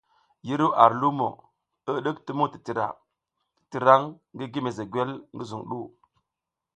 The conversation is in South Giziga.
Yi ru ar limo, i hidik tumung titira titirang ngi gi mezegwel ngi zuŋ du.